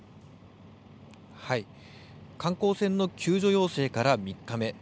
観光船の救助要請から３日目。